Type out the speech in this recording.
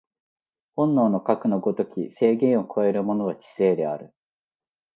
本能のかくの如き制限を超えるものは知性である。